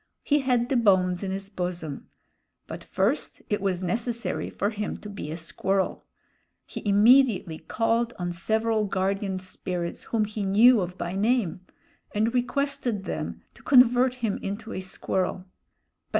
He had the bones in his bosom; but first it was necessary for him to be a squirrel. He immediately called on several guardian spirits whom he knew of by name, and requested them to convert him into a squirrel.